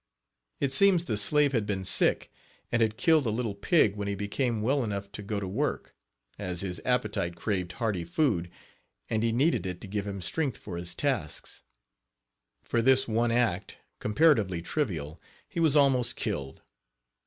It seems the slave had been sick, and had killed a little pig when he became well enough to go to work, as his appetite craved hearty food, and he needed it to give him strength for his tasks. For this one act, comparatively trivial, he was almost killed.